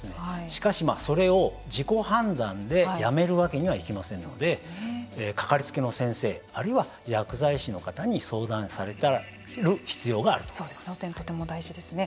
しかし、それを自己判断でやめるわけにはいきませんので掛かりつけの先生あるいは薬剤師の方にその点とても大事ですね。